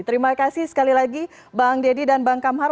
terima kasih sekali lagi bang deddy dan bang kamhar